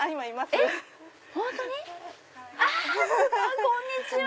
あっこんにちは！